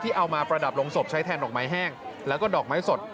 เอามาประดับลงศพใช้แทนดอกไม้แห้งแล้วก็ดอกไม้สด